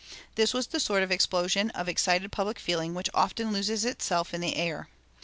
This was the sort of explosion of excited public feeling which often loses itself in the air.